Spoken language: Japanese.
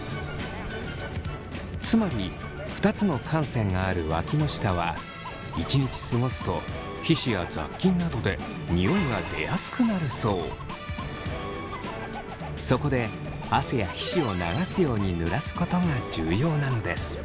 つまり２つの汗腺があるわきの下は一日過ごすと皮脂や雑菌などでそこで汗や皮脂を流すようにぬらすことが重要なのです。